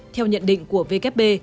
theo nhận định của vkp